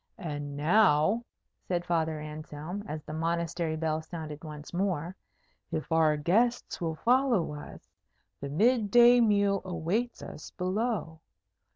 "And now," said Father Anselm, as the Monastery bell sounded once more, "if our guests will follow us, the mid day meal awaits us below.